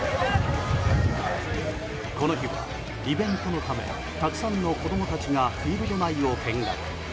この日は、イベントのためたくさんの子供たちがフィールド内を見学。